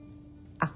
あっ。